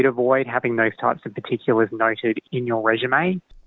jadi kita akan menghindari memiliki jenis jenis yang diperlukan di resume anda